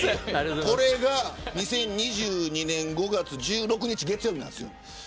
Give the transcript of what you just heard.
これが２０２２年５月１６日月曜日です。